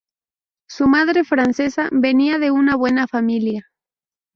Su madre, francesa, venía de una buena familia.